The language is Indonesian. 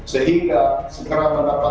sehingga segera mendapatkan kekuatan